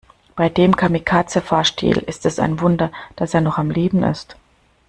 Bei dem Kamikaze-Fahrstil ist es ein Wunder, dass er noch am Leben ist.